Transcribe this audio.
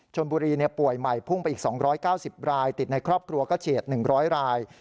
ชนบุรีป่วยใหม่พุ่งไปอีก๒๙๐รายติดในครอบครัวก็เฉียด๑๐๐ราย